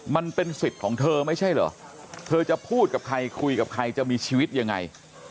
มันเป็นสิทธิ์ของเธอไม่ใช่เหรอเธอจะพูดกับใครคุยกับใครจะมีชีวิตยังไง